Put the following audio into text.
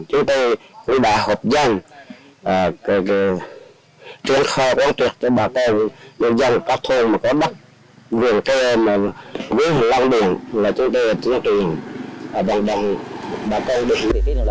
chúng tôi đã hợp gia